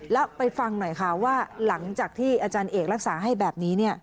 แล้วไปฟังหน่อยค่ะว่าหลังจากที่อาจารย์เอกรักษาให้แบบนี้